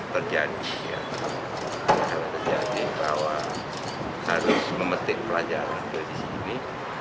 kalau sampai terjadi bahwa harus memetik pelajaran dari sini